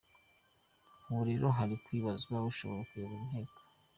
Ubu rero hari kwibazwa ushobora kuyobora Inteko.